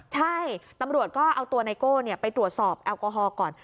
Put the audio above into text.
ใช่ตำรวจก็เอาตัวไนโก้ไปตรวจสอบแอลกอฮอลก่อน